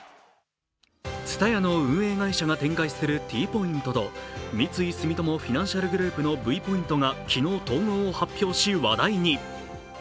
ＴＳＵＴＡＹＡの運営会社が展開するＴポイントと三井住友フィナンシャルグループのＶポイントが昨日、統合を発表し話題に。